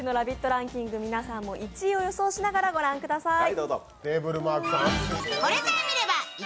ランキング、皆さんも１位を予想しながら御覧ください。